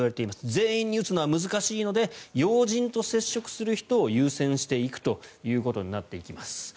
全員に打つのは難しいので要人と接触する人を優先していくということになっていきます。